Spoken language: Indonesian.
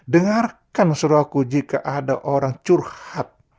dengarkan saudara aku jika ada orang curhat